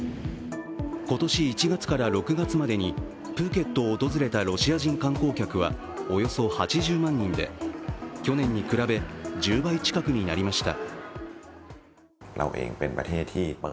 今年１月から６月までにプーケットを訪れたロシア人観光客はおよそ８０万人で、去年に比べ１０倍近くになりました。